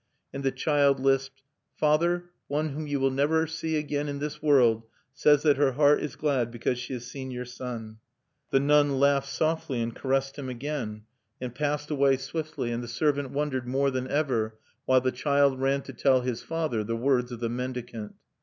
And the child lisped: "Father, one whom you will never see again in this world, says that her heart is glad because she has seen your son." The nun laughed softly, and caressed him again, and passed away swiftly; and the servant wondered more than ever, while the child ran to tell his father the words of the mendicant.